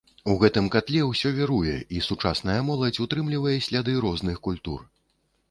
У гэтым катле ўсё віруе, і сучасная моладзь утрымлівае сляды розных культур.